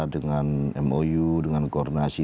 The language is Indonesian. dengan mou dengan koordinasi